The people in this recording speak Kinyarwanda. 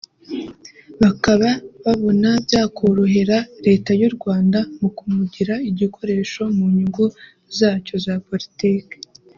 bakaba babona byakorohera Leta y’u Rwanda mu kumugira igikoresho mu nyungu zacyo za politiki